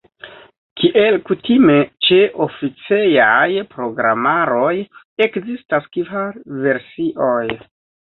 Kiel kutime ĉe oficejaj programaroj, ekzistas kvar versioj.